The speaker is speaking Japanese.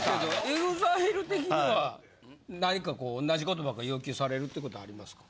ＥＸＩＬＥ的には何かこう同じことばっか要求されるってことありますか？